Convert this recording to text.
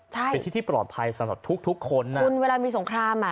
ใช่เป็นที่ที่ปลอดภัยสำหรับทุกทุกคนอ่ะคุณเวลามีสงครามอ่ะ